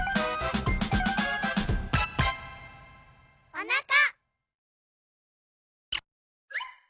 おなか。